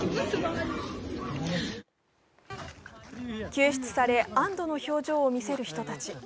救出され、安どの表情を見せる人たち。